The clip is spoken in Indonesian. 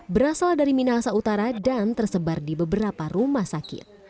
berasal dari minahasa utara dan tersebar di beberapa rumah sakit